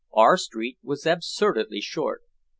Our street was absurdly short.